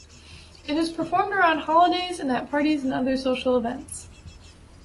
It is performed around holidays and at parties and other social events.